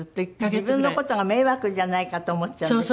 自分の事が迷惑じゃないかと思っちゃうんでしょ？